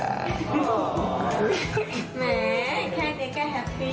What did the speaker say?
แม้แค่นี้ก็แฮปปี้แหละ